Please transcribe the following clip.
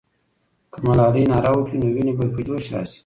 که ملالۍ ناره وکړي، نو ويني به په جوش راسي.